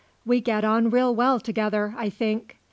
We get on real well together, I think."